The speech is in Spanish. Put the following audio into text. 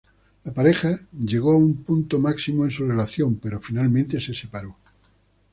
La pareja llegó a un punto máximo en su relación, pero finalmente se separó.